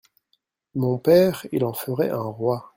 Mon père !… il en ferait un roi !…